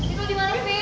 itu dimana evita